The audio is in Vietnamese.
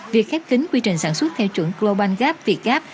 việc khép kín quy trình sản xuất theo trưởng global gap vietgap